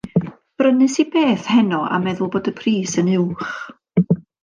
Brynes i beth heno a meddwl bod y pris yn uwch.